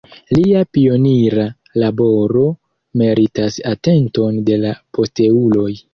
Lia pionira laboro meritas atenton de la posteuloj.